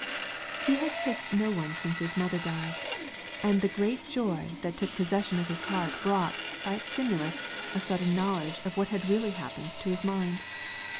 He had kissed no one since his mother died, and the great joy that took possession of his heart brought, by its stimulus, a sudden knowledge of what had really happened to his mind.